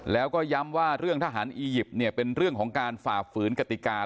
แล้วก็ย้ำว่าเรื่องทหารอียิปต์เนี่ยเป็นเรื่องของการฝ่าฝืนกติกา